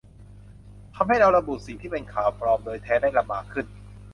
ทำให้เราระบุสิ่งที่เป็นข่าวปลอมโดยแท้ได้ลำบากขึ้น